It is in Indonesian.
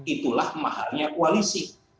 itulah mahalnya koalisi